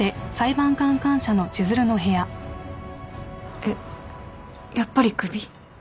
えっやっぱりクビ？